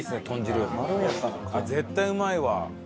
絶対うまいわ。